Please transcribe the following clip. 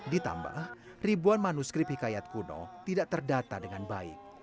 ditambah ribuan manuskrip hikayat kuno tidak terdata dengan baik